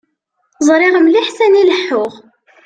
Ẓriɣ mliḥ sani leḥḥuɣ.